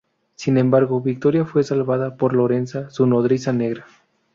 Sin embargo, Victoria fue salvada por Lorenza, su nodriza negra.